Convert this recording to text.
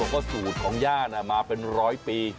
ว่าสูตรของย่ามาเป็นร้อยปี